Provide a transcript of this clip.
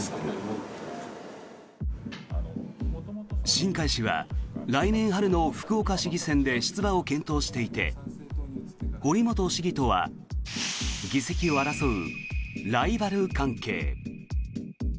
新開氏は来年春の福岡市議選で出馬を検討していて堀本市議とは議席を争うライバル関係。